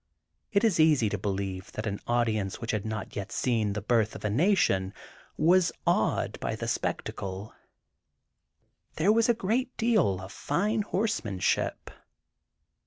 It is easy to believe that an audience which had not yet seen "The Birth of a Nation," was awed by the spectacle. There was a great deal of fine horsemanship.